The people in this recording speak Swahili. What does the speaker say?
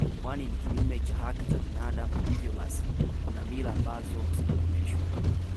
kuwa ni kinyume cha haki za binadamu hivyo basi kuna mila ambazo zinakomeshwa